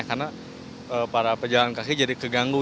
karena para pejalan kaki jadi keganggu